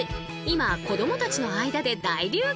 今子どもたちの間で大流行！